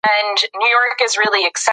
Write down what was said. ښوونکی په تخته باندې درس لیکي.